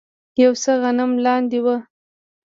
یو څه غنم لانده و.